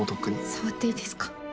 触っていいですか？